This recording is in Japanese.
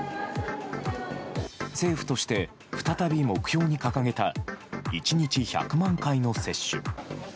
政府として、再び目標に掲げた１日１００万回の接種。